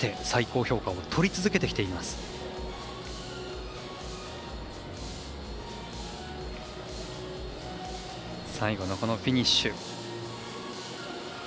最後のフィニッシュ。